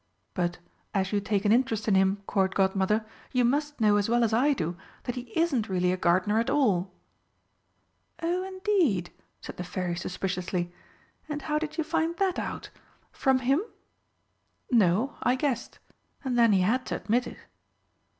But, as you take an interest in him, Court Godmother, you must know as well as I do that he isn't really a gardener at all." "Oh, indeed," said the Fairy suspiciously. "And how did you find that out? From him?" "No, I guessed. And then he had to admit it."